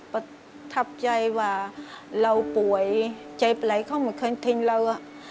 ประทับใจว่าเราป่วยใจไปไหลเข้ามาเคยทิ้งเรา